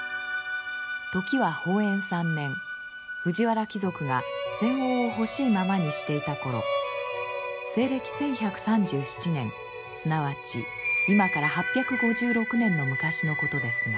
時は保延３年藤原貴族が専横をほしいままにしていた頃西暦１１３７年すなわち今から８５６年の昔のことですが。